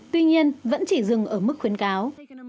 tuy nhiên vẫn chỉ dừng ở mức khuyến cáo